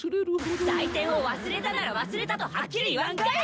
採点を忘れたなら忘れたとはっきり言わんかい！